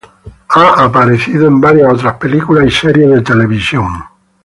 Ha aparecido en varios otras películas y series de televisión.